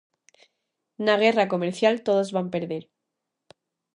Na guerra comercial todos van perder.